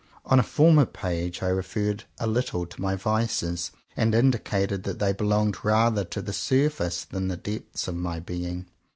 On a former page I referred a little to my vices, and indicated that they belonged rather to the surface than to the depths of my being.